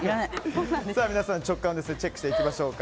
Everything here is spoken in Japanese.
皆さん、直感をチェックしていきましょうか。